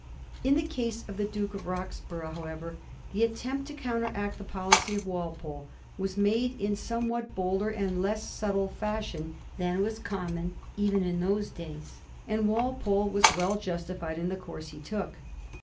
In the case of the Duke of Roxburgh, however, the attempt to counteract the policy of Walpole was made in somewhat bolder and less subtle fashion than was common even in those days, and Walpole was well justified in the course he took.